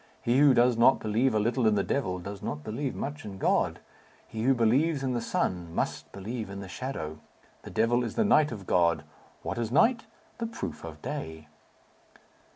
He who does not believe a little in the devil, does not believe much in God. He who believes in the sun must believe in the shadow. The devil is the night of God. What is night? The proof of day."